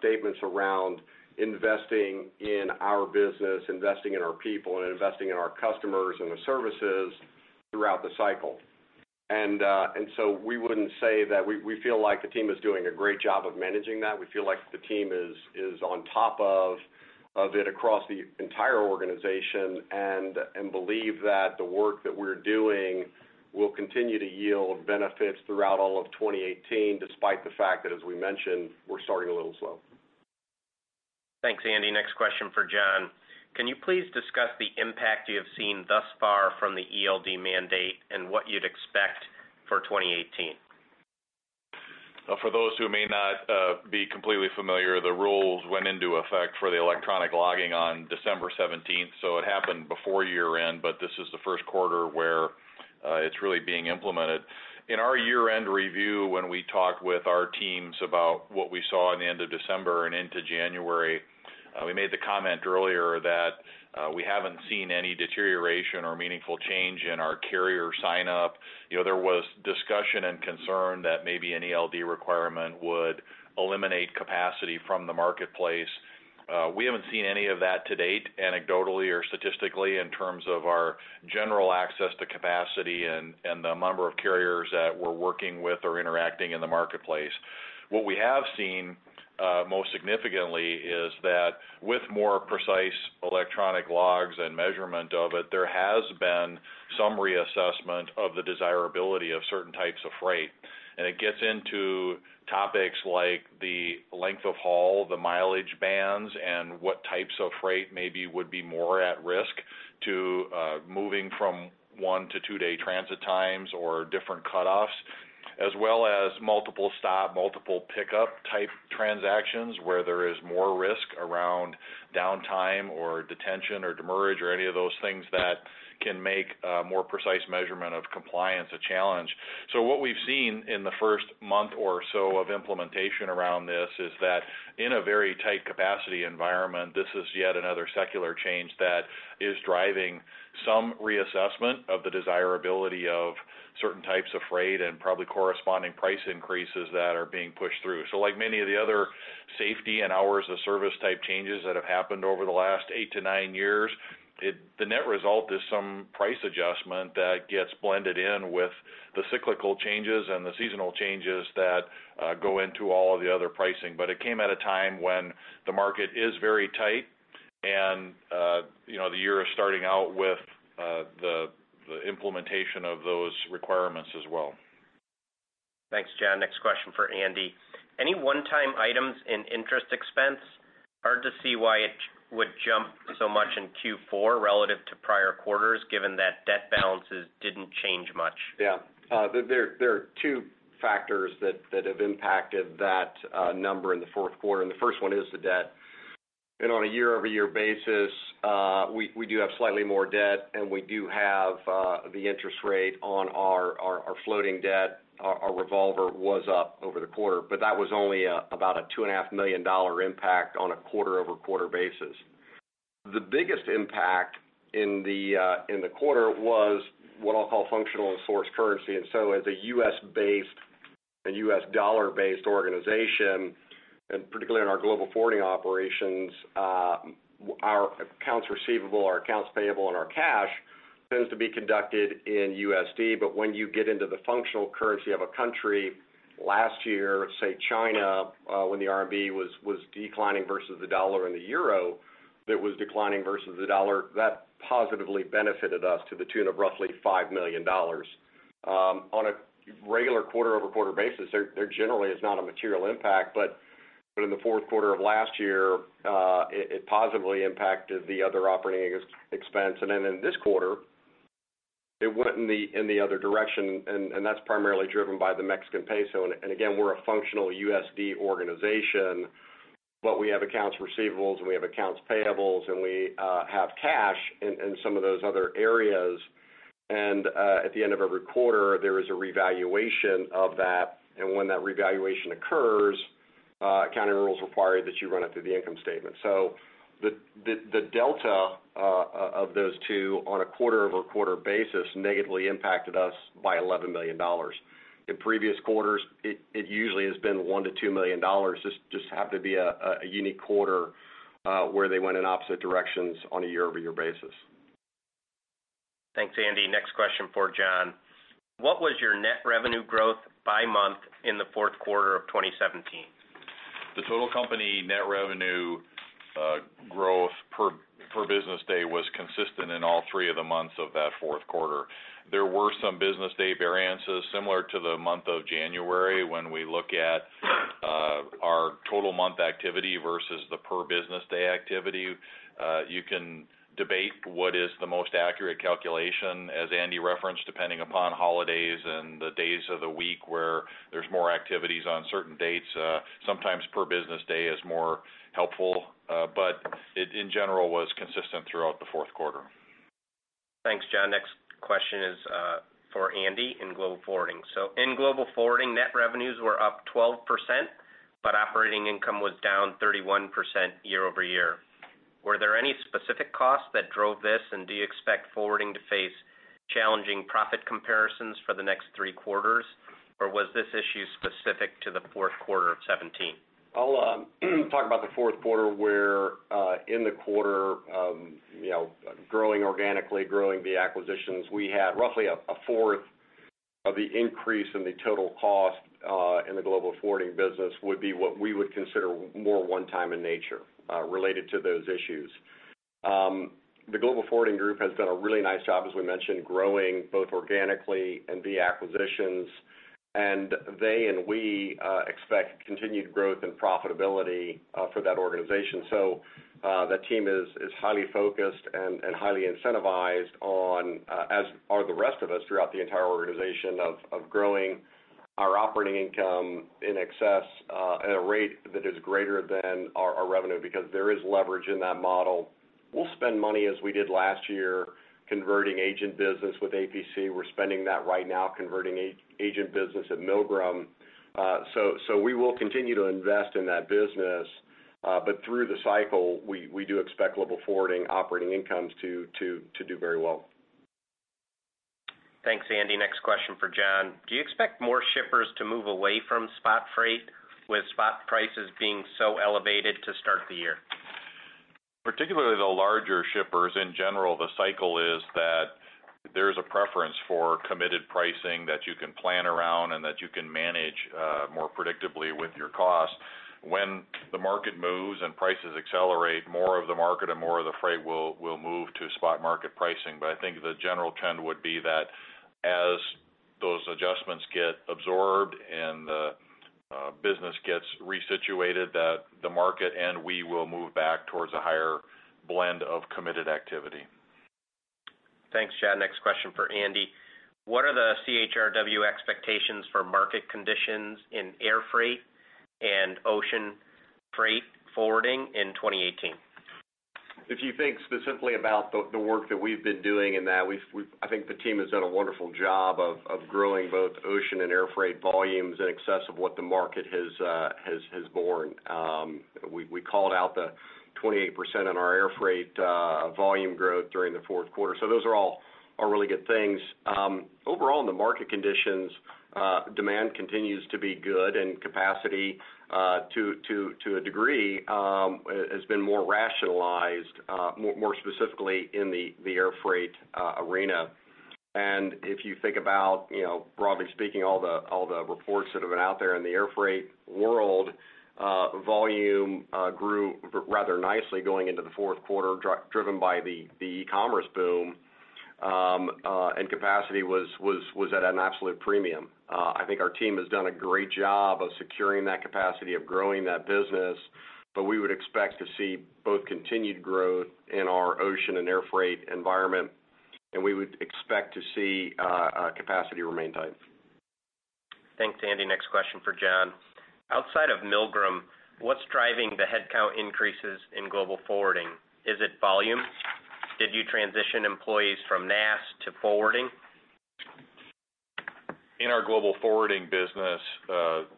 statements around investing in our business, investing in our people, and investing in our customers and the services throughout the cycle. We wouldn't say that we feel like the team is doing a great job of managing that. We feel like the team is on top of it across the entire organization and believe that the work that we're doing will continue to yield benefits throughout all of 2018, despite the fact that, as we mentioned, we're starting a little slow. Thanks, Andy. Next question for John. Can you please discuss the impact you have seen thus far from the ELD mandate and what you'd expect for 2018? For those who may not be completely familiar, the rules went into effect for the electronic logging on December 17th, so it happened before year-end, but this is the first quarter where It's really being implemented. In our year-end review, when we talked with our teams about what we saw in the end of December and into January, we made the comment earlier that we haven't seen any deterioration or meaningful change in our carrier sign up. There was discussion and concern that maybe an ELD requirement would eliminate capacity from the marketplace. We haven't seen any of that to date, anecdotally or statistically, in terms of our general access to capacity and the number of carriers that we're working with or interacting in the marketplace. What we have seen, most significantly, is that with more precise electronic logs and measurement of it, there has been some reassessment of the desirability of certain types of freight. It gets into topics like the length of haul, the mileage bands, and what types of freight maybe would be more at risk to moving from one to two-day transit times or different cutoffs, as well as multiple stop, multiple pickup type transactions where there is more risk around downtime or detention or demurrage or any of those things that can make a more precise measurement of compliance a challenge. What we've seen in the first month or so of implementation around this is that in a very tight capacity environment, this is yet another secular change that is driving some reassessment of the desirability of certain types of freight and probably corresponding price increases that are being pushed through. Like many of the other safety and hours of service type changes that have happened over the last eight to nine years, the net result is some price adjustment that gets blended in with the cyclical changes and the seasonal changes that go into all of the other pricing. It came at a time when the market is very tight and the year is starting out with the implementation of those requirements as well. Thanks, John. Next question for Andy. Any one-time items in interest expense? Hard to see why it would jump so much in Q4 relative to prior quarters, given that debt balances didn't change much. There are two factors that have impacted that number in the fourth quarter, the first one is the debt. On a year-over-year basis, we do have slightly more debt, and we do have the interest rate on our floating debt. Our revolver was up over the quarter. That was only about a $2.5 million impact on a quarter-over-quarter basis. The biggest impact in the quarter was what I'll call functional and source currency. As a U.S.-based and U.S. dollar-based organization, and particularly in our Global Forwarding operations, our accounts receivable, our accounts payable, and our cash tends to be conducted in USD. When you get into the functional currency of a country, last year, say China, when the RMB was declining versus the US dollar, and the EUR that was declining versus the US dollar, that positively benefited us to the tune of roughly $5 million. On a regular quarter-over-quarter basis, there generally is not a material impact. In the fourth quarter of last year, it positively impacted the other operating expense. In this quarter, it went in the other direction, that's primarily driven by the Mexican peso. Again, we're a functional USD organization, but we have accounts receivables, and we have accounts payables, and we have cash in some of those other areas. At the end of every quarter, there is a revaluation of that. When that revaluation occurs, accounting rules require that you run it through the income statement. The delta of those two on a quarter-over-quarter basis negatively impacted us by $11 million. In previous quarters, it usually has been $1 million-$2 million. Just happened to be a unique quarter where they went in opposite directions on a year-over-year basis. Thanks, Andy. Next question for John. What was your net revenue growth by month in the fourth quarter of 2017? The total company net revenue growth per business day was consistent in all three of the months of that fourth quarter. There were some business day variances similar to the month of January when we look at our total month activity versus the per business day activity. You can debate what is the most accurate calculation, as Andy referenced, depending upon holidays and the days of the week where there's more activities on certain dates. Sometimes per business day is more helpful. It, in general, was consistent throughout the fourth quarter. Thanks, John. Next question is for Andy in Global Forwarding. In Global Forwarding, net revenues were up 12%, but operating income was down 31% year-over-year. Were there any specific costs that drove this? Do you expect Forwarding to face challenging profit comparisons for the next three quarters? Or was this issue specific to the fourth quarter of 2017? I'll talk about the fourth quarter, where in the quarter, growing organically, growing the acquisitions, we had roughly a fourth of the increase in the total cost in the Global Forwarding business would be what we would consider more one-time in nature related to those issues. The Global Forwarding group has done a really nice job, as we mentioned, growing both organically and via acquisitions. They and we expect continued growth and profitability for that organization. That team is highly focused and highly incentivized on, as are the rest of us throughout the entire organization, of growing our operating income at a rate that is greater than our revenue, because there is leverage in that model. We'll spend money as we did last year, converting agent business with APC. We're spending that right now converting agent business at Milgram. We will continue to invest in that business. Through the cycle, we do expect Global Forwarding operating incomes to do very well. Thanks, Andy. Next question for John. Do you expect more shippers to move away from spot freight with spot prices being so elevated to start the year? Particularly the larger shippers, in general, the cycle is that there's a preference for committed pricing that you can plan around and that you can manage more predictably with your costs. When the market moves and prices accelerate, more of the market and more of the freight will move to spot market pricing. I think the general trend would be that as those adjustments get absorbed and the business gets resituated, that the market and we will move back towards a higher blend of committed activity. Thanks, John. Next question for Andy. What are the CHRW expectations for market conditions in air freight and ocean freight forwarding in 2018? If you think specifically about the work that we've been doing in that, I think the team has done a wonderful job of growing both ocean and air freight volumes in excess of what the market has borne. We called out the 28% in our air freight volume growth during the fourth quarter. Those are all really good things. Overall, in the market conditions, demand continues to be good and capacity, to a degree, has been more rationalized, more specifically in the air freight arena. If you think about, broadly speaking, all the reports that have been out there in the air freight world, volume grew rather nicely going into the fourth quarter, driven by the e-commerce boom, and capacity was at an absolute premium. I think our team has done a great job of securing that capacity, of growing that business, we would expect to see both continued growth in our ocean and air freight environment, and we would expect to see capacity remain tight. Thanks, Andy. Next question for John. Outside of Milgram, what's driving the headcount increases in Global Forwarding? Is it volume? Did you transition employees from NAST to Forwarding? In our Global Forwarding business,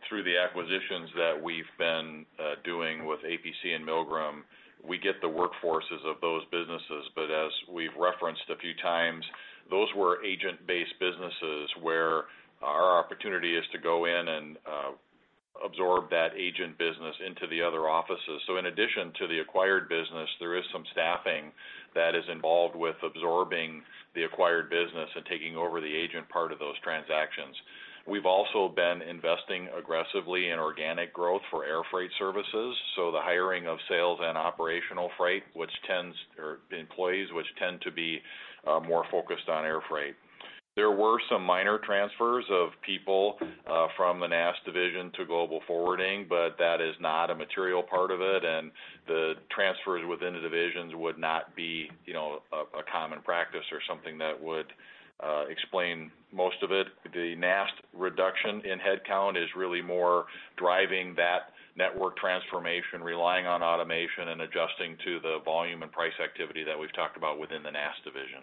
through the acquisitions that we've been doing with APC and Milgram, we get the workforces of those businesses. As we've referenced a few times, those were agent-based businesses where our opportunity is to go in and absorb that agent business into the other offices. In addition to the acquired business, there is some staffing that is involved with absorbing the acquired business and taking over the agent part of those transactions. We've also been investing aggressively in organic growth for air freight services, the hiring of sales and operational employees, which tend to be more focused on air freight. There were some minor transfers of people from the NAST division to Global Forwarding, but that is not a material part of it, and the transfers within the divisions would not be a common practice or something that would explain most of it. The NAST reduction in headcount is really more driving that network transformation, relying on automation, and adjusting to the volume and price activity that we've talked about within the NAST division.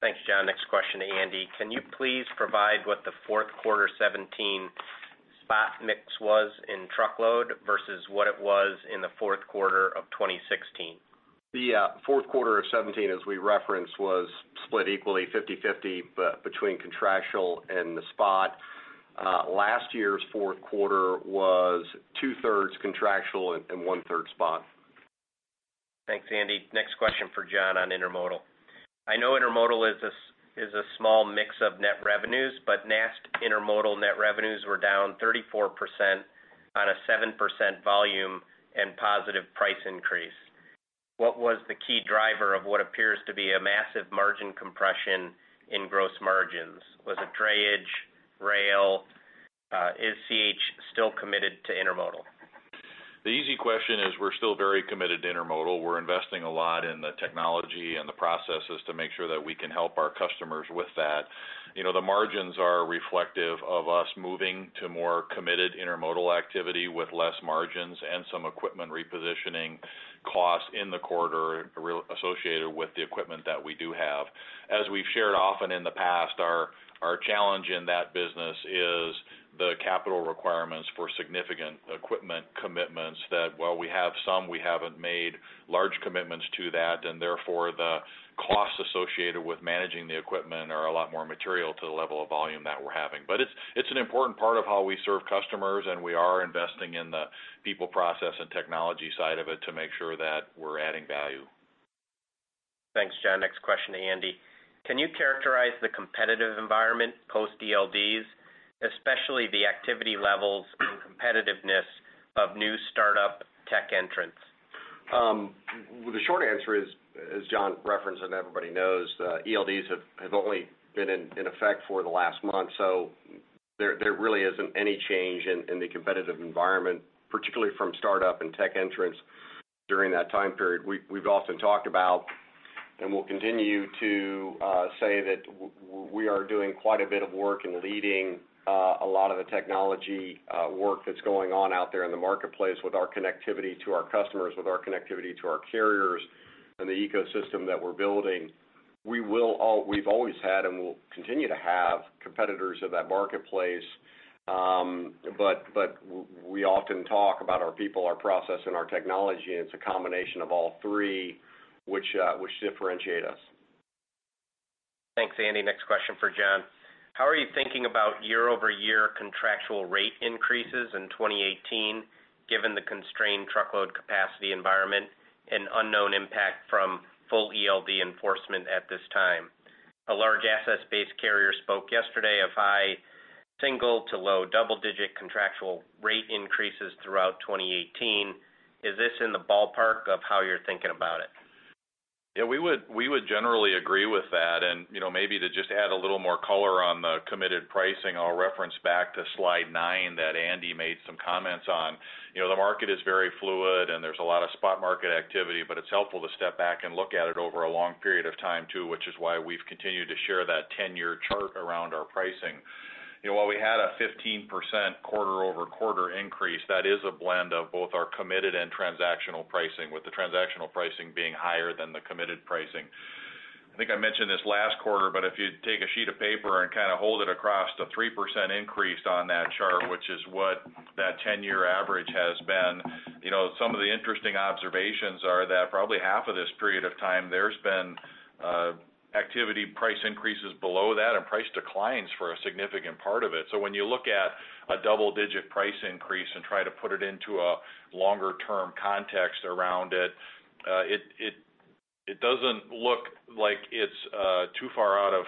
Thanks, John. Next question to Andy. Can you please provide what the Q4 2017 spot mix was in truckload versus what it was in the fourth quarter of 2016? The fourth quarter of 2017, as we referenced, was split equally 50/50 between contractual and the spot. Last year's fourth quarter was two-thirds contractual and one-third spot. Thanks, Andy. Next question for John on intermodal. I know intermodal is a small mix of net revenues, but NAST intermodal net revenues were down 34% on a 7% volume and positive price increase. What was the key driver of what appears to be a massive margin compression in gross margins? Was it drayage, rail? Is C.H. still committed to intermodal? The easy question is we're still very committed to intermodal. We're investing a lot in the technology and the processes to make sure that we can help our customers with that. The margins are reflective of us moving to more committed intermodal activity with less margins and some equipment repositioning costs in the quarter associated with the equipment that we do have. As we've shared often in the past, our challenge in that business is the capital requirements for significant equipment commitments that while we have some, we haven't made large commitments to that, and therefore, the costs associated with managing the equipment are a lot more material to the level of volume that we're having. It's an important part of how we serve customers, and we are investing in the people, process, and technology side of it to make sure that we're adding value. Thanks, John. Next question to Andy. Can you characterize the competitive environment post-ELDs, especially the activity levels and competitiveness of new startup tech entrants? The short answer is, as John referenced, and everybody knows, ELDs have only been in effect for the last month. There really isn't any change in the competitive environment, particularly from startup and tech entrants during that time period. We've often talked about. We'll continue to say that we are doing quite a bit of work in leading a lot of the technology work that's going on out there in the marketplace with our connectivity to our customers, with our connectivity to our carriers, and the ecosystem that we're building. We've always had, and we'll continue to have competitors in that marketplace. We often talk about our people, our process, and our technology, and it's a combination of all three which differentiate us. Thanks, Andy. Next question for John. How are you thinking about year-over-year contractual rate increases in 2018, given the constrained truckload capacity environment and unknown impact from full ELD enforcement at this time? A large asset-based carrier spoke yesterday of high single to low double-digit contractual rate increases throughout 2018. Is this in the ballpark of how you're thinking about it? Yeah, we would generally agree with that. Maybe to just add a little more color on the committed pricing, I'll reference back to slide nine that Andy made some comments on. The market is very fluid, and there's a lot of spot market activity, but it's helpful to step back and look at it over a long period of time, too, which is why we've continued to share that 10-year chart around our pricing. While we had a 15% quarter-over-quarter increase, that is a blend of both our committed and transactional pricing, with the transactional pricing being higher than the committed pricing. I think I mentioned this last quarter, but if you take a sheet of paper and kind of hold it across the 3% increase on that chart, which is what that 10-year average has been, some of the interesting observations are that probably half of this period of time, there's been activity price increases below that and price declines for a significant part of it. When you look at a double-digit price increase and try to put it into a longer-term context around it doesn't look like it's too far out of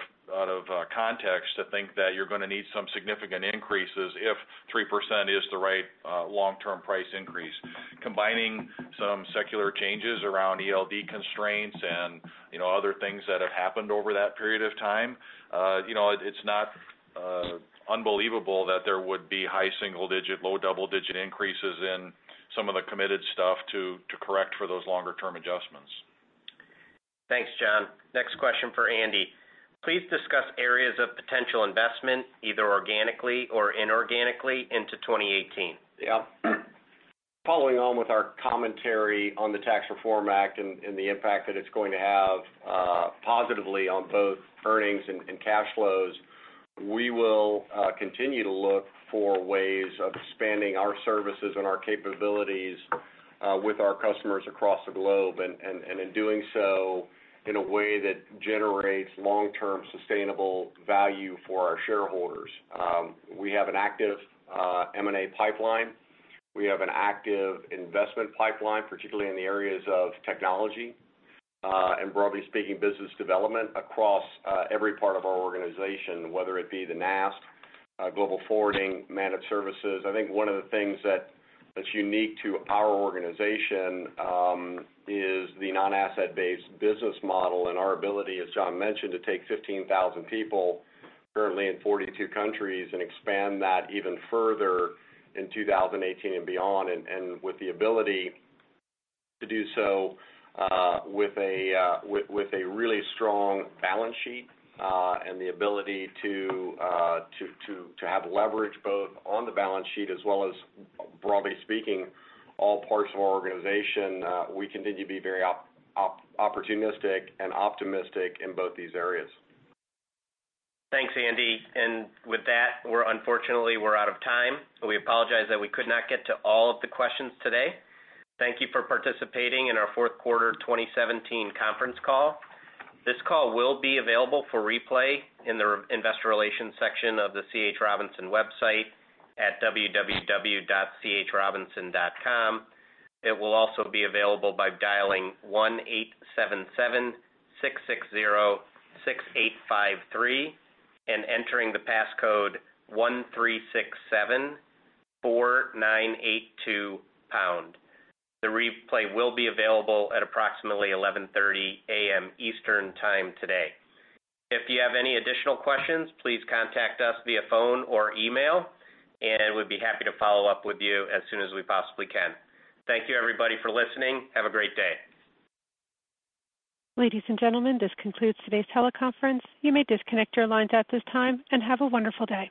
context to think that you're going to need some significant increases if 3% is the right long-term price increase. Combining some secular changes around ELD constraints and other things that have happened over that period of time, it's not unbelievable that there would be high single digit, low double-digit increases in some of the committed stuff to correct for those longer-term adjustments. Thanks, John. Next question for Andy. Please discuss areas of potential investment, either organically or inorganically into 2018. Following on with our commentary on the Tax Reform Act and the impact that it's going to have positively on both earnings and cash flows, we will continue to look for ways of expanding our services and our capabilities with our customers across the globe, and in doing so in a way that generates long-term sustainable value for our shareholders. We have an active M&A pipeline. We have an active investment pipeline, particularly in the areas of technology, and broadly speaking, business development across every part of our organization, whether it be the NAST, Global Forwarding, Managed Services. I think one of the things that's unique to our organization is the non-asset-based business model and our ability, as John mentioned, to take 15,000 people currently in 42 countries and expand that even further in 2018 and beyond. With the ability to do so with a really strong balance sheet and the ability to have leverage both on the balance sheet as well as, broadly speaking, all parts of our organization, we continue to be very opportunistic and optimistic in both these areas. Thanks, Andy. With that, unfortunately, we're out of time. We apologize that we could not get to all of the questions today. Thank you for participating in our fourth quarter 2017 conference call. This call will be available for replay in the Investor Relations section of the C.H. Robinson website at www.chrobinson.com. It will also be available by dialing 1-877-660-6853 and entering the passcode 13674982#. The replay will be available at approximately 11:30 AM Eastern Time today. If you have any additional questions, please contact us via phone or email, and we'd be happy to follow up with you as soon as we possibly can. Thank you everybody for listening. Have a great day. Ladies and gentlemen, this concludes today's teleconference. You may disconnect your lines at this time, and have a wonderful day.